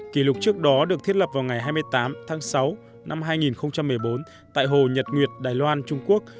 kỷ lục trước đó được thiết lập vào ngày hai mươi tám tháng sáu năm hai nghìn một mươi bốn tại hồ nhật nguyệt đài loan trung quốc